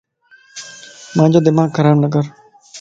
مانجو دماغ خراب نڪر